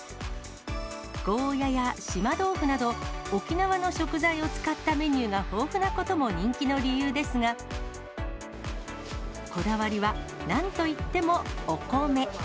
ゴーヤや島豆腐など、沖縄の食材を使ったメニューが豊富なことも人気の理由ですが、こだわりは、なんといってもお米。